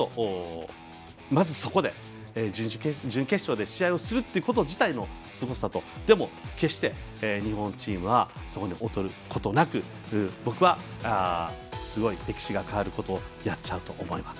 まず、準決勝で試合をするということ自体のすごさとでも決して日本チームはそこに劣ることなく、僕はすごい歴史が変わることをやっちゃうと思います。